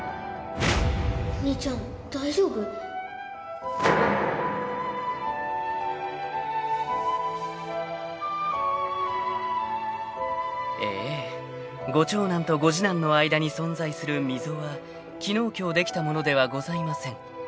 兄ちゃん大丈夫？［ええご長男とご次男の間に存在する溝は昨日今日できたものではございません］